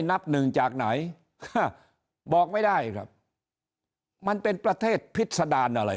นับหนึ่งจากไหนบอกไม่ได้ครับมันเป็นประเทศพิษดารอะไร